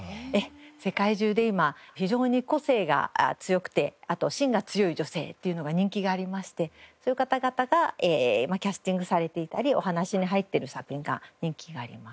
世界中で今非常に個性が強くてあと芯が強い女性っていうのが人気がありましてそういう方々がキャスティングされていたりお話に入ってる作品が人気があります。